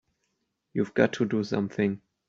You've got to do something!